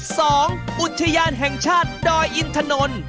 อุทยานแห่งชาติดอยอินถนน